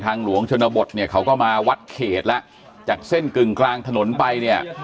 หลวงชนบทเนี่ยเขาก็มาวัดเขตแล้วจากเส้นกึ่งกลางถนนไปเนี่ย